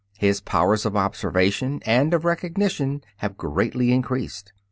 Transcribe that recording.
His powers of observation and of recognition have greatly increased.